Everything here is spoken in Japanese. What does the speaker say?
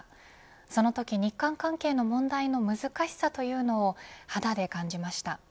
そのとき日韓関係の問題の難しさというのを肌で感じました。